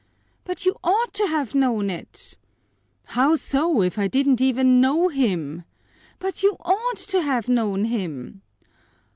"But you ought to have known it!" "How so, if I didn't even know him?" "But you ought to have known him!"